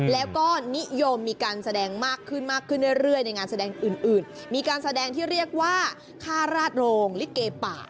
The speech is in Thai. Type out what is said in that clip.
แล้วก็นิยมมีการแสดงมากขึ้นมากขึ้นเรื่อยในงานแสดงอื่นมีการแสดงที่เรียกว่าค่าราชโรงลิเกปะ